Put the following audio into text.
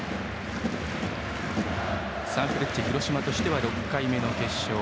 サンフレッチェ広島としては６回目の決勝。